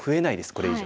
これ以上。